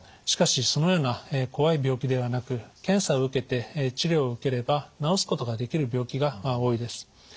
しかしそのような怖い病気ではなく検査を受けて治療を受ければ治すことができる病気が多いです。